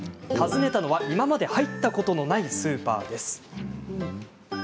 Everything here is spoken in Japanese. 訪ねたのは、今まで入ったことのないスーパーです。